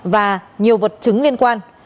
và nhiều vật chứng liên quan